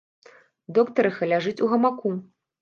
Доктарыха ляжыць у гамаку.